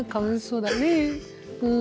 うん。